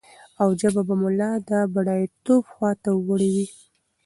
او ژبه به مو لا د بډايتوب خواته وړي وي.